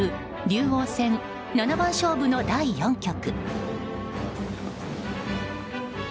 竜王戦七番勝負の第４局。